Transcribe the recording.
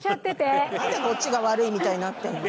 なんでこっちが悪いみたいになってるの？